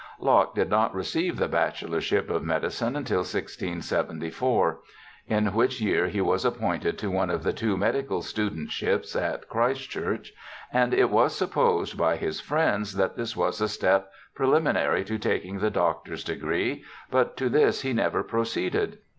Locke did not receive the bachelorship of medicine until 1674, in which year he was appointed to one of the two medical studentships at Christ Church, and it was supposed by his friends that this was a step preliminary to taking the doctor's degree, but to this he never proceeded.